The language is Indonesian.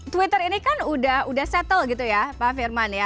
twitter ini kan sudah settle pak firman